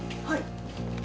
はい。